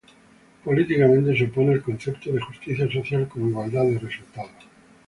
Políticamente se opone al concepto de justicia social como igualdad de resultados.